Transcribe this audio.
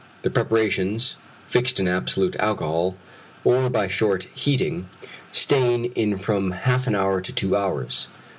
The preparations, fixed in absolute alcohol, or by short heating, stain in from half an hour to two hours.